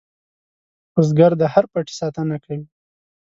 بزګر د هر پټي ساتنه کوي